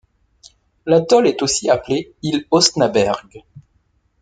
L'atoll est aussi appelé Île Osnaberg'.